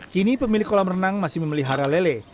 kini pemilik kolam renang masih memelihara lele